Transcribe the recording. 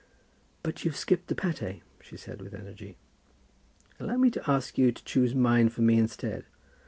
"But you've skipped the pâté," she said, with energy. "Allow me to ask you to choose mine for me instead.